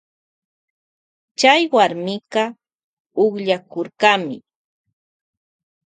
Chay warmika ukllakurkami.